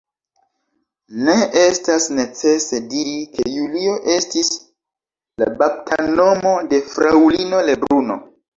Ne estas necese diri, ke Julio estis la baptanomo de Fraŭlino Lebruno.